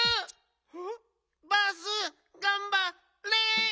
バースがんばれ。